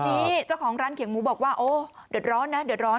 ทีนี้เจ้าของร้านเขียงหมูบอกว่าโอ้เดือดร้อนนะเดือดร้อน